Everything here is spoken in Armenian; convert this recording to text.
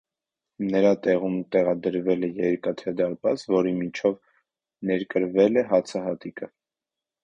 Նրա տեղում տեղադրվել է երկաթյա դարպաս, որի միջով ներկրվել է հացահատիկը։